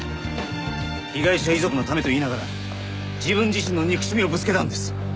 被害者遺族のためと言いながら自分自身の憎しみをぶつけたんです。